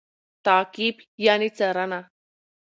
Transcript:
تعقیب √څارنه